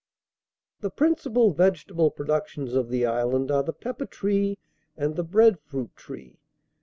"The principal vegetable productions of the island are the pepper tree and the bread fruit tree.